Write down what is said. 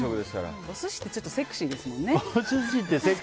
お寿司ってちょっとセクシーですもんね。